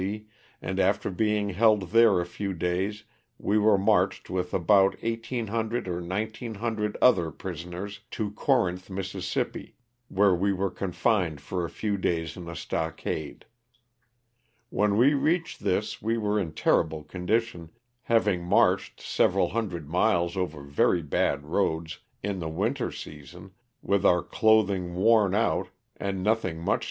and after being held there a few days we were marched with about 1,800 or 1,900 other prisoners to Corinth, Miss., where we were con fined for a few days in a stockade. When we reached this we were in a terrible condition, having marched several hundred miles over very bad roads, in the winter season, with our clothing worn out and nothing much LOSS OF THE SULTAITA.